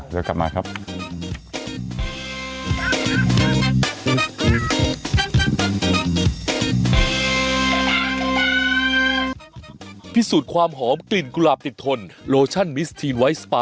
ใช่ครับอ่าเดี๋ยวกลับมาครับ